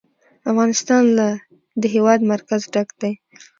افغانستان له د هېواد مرکز ډک دی.